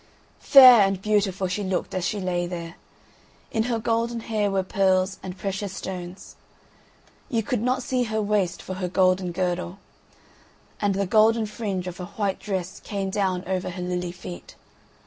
Fair and beautiful she looked as she lay there. In her golden hair were pearls and precious stones; you could not see her waist for her golden girdle; and the golden fringe of her white dress came down over her lily feet.